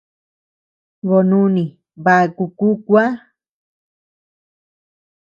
Boo nuni baku kuu kuäa.